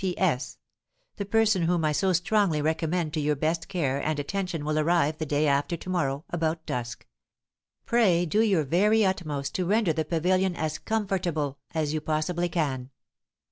"'P.S. The person whom I so strongly recommend to your best care and attention will arrive the day after to morrow, about dusk. Pray do your very utmost to render the pavilion as comfortable as you possibly can.'